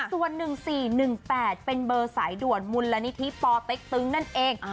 ส่วน๑๔๑๘เป็นเบอร์สายด่วนมูลนิธิปเต็กตึงนั่นเอง